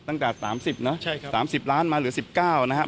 ตั้งแต่๓๐นะ๓๐ล้านมาเหลือ๑๙นะครับ